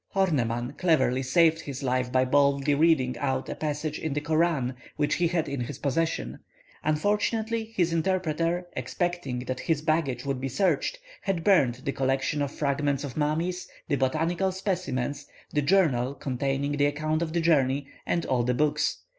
Horneman cleverly saved his life by boldly reading out a passage in the Koran which he had in his possession. Unfortunately, his interpreter, expecting that his baggage would be searched, had burned the collection of fragments of mummies, the botanical specimens, the journal containing the account of the journey, and all the books.